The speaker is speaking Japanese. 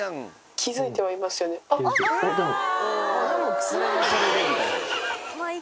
気付いてはいますよねあっ。